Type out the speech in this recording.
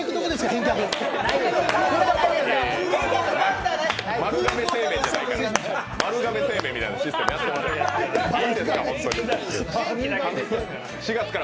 返却いやいや、丸亀製麺みたいなシステムやってませんから。